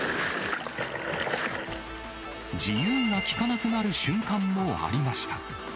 自由が利かなくなる瞬間もありました。